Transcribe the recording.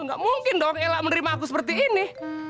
gak mungkin dong elak menerima aku seperti ini